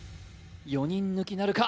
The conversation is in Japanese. ４人抜きなるか？